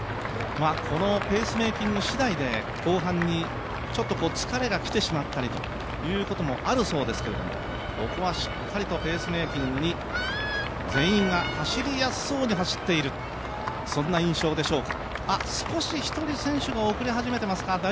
このペースメイキング次第で後半に疲れがきてしまったりということもあるそうですけれども、ここはしっかりとペースメイキングに全員が走りやすそうに走っている、そんな印象でしょうか、少し一人選手が遅れ始めていますか。